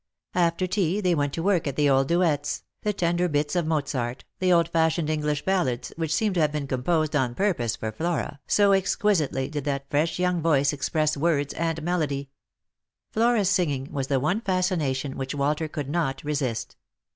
After tea they went to work at the old duets, the tender bits of Mozart, the old fashioned English ballads which seemed to have been composed on pur pose for Flora, so exquisitely did that fresh young voice express words and melody. Flora's singing was the one fascination which Walter could not resist.